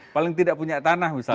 paling tidak punya tanah misalnya